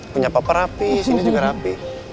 punya papa rapi sini juga rapi